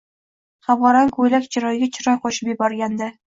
Havorang ko`ylak chiroyiga chiroy qo`shib yuborgandi